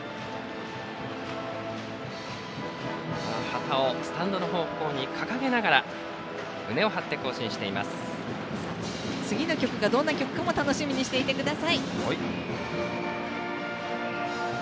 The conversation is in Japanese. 旗をスタンドの方向に掲げながら次の曲が、どんな曲かも楽しみにしていてください。